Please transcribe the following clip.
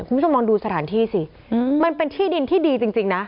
คุณผู้ชมลองดูสถานที่สิมันเป็นที่ดินที่ดีจริงนะ